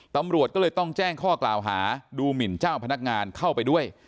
ตำรวจก็เลยต้องแจ้งข้อกล่าวหาดูหมินเจ้าพนักงานเข้าไปด้วย